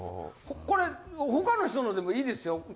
これ他の人のでもいいですよ。